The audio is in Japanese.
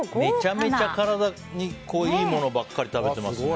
めちゃめちゃ体にいいものばっかり食べてますね。